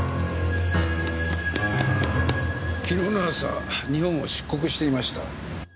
昨日の朝日本を出国していました。